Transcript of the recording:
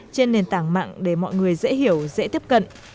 trên nền tảng mạng để mọi người dễ hiểu dễ tiếp cận